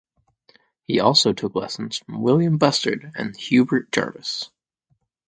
He also took lessons from William Bustard and Hubert Jarvis.